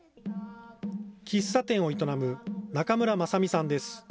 喫茶店を営む中村雅美さんです。